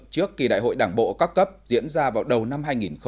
trước kỳ đại hội đảng bộ các cấp diễn ra vào đầu năm hai nghìn hai mươi